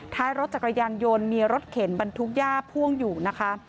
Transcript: ท้ายรถจักรยานยนต์มีรถเข็นบรรทุกย่าพ่วงอยู่นะคะ